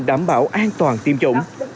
đảm bảo an toàn tiêm chủng